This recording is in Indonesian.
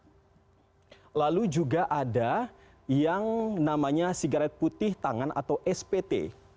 nah lalu juga ada yang namanya sigaret putih tangan atau spt